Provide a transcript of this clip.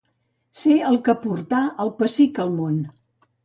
Ser el que portà el pessic al món.